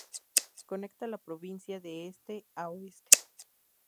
Conecta la provincia de este a oeste.